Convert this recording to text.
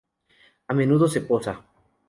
A menudo se posa.